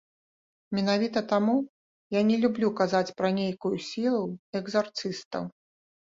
Менавіта таму я не люблю казаць пра нейкую сілу экзарцыстаў.